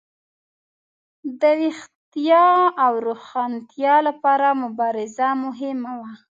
د ویښتیا او روښانتیا لپاره مبارزه مهمه وه.